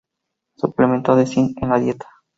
Suplemento de zinc en la dieta.